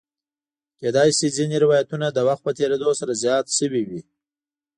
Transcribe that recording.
کېدای شي ځینې روایتونه د وخت په تېرېدو سره زیات شوي وي.